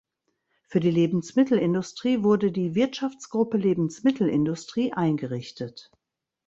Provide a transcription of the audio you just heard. Für die Lebensmittelindustrie wurde die "Wirtschaftsgruppe Lebensmittelindustrie" eingerichtet.